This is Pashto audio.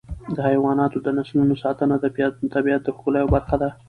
د حیواناتو د نسلونو ساتنه د طبیعت د ښکلا یوه برخه ده.